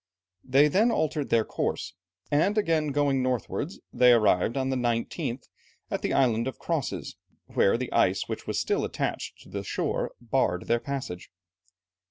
They then altered their course, and again going northwards, they arrived on the 19th at the Island of Crosses, where the ice which was still attached to the shore, barred their passage.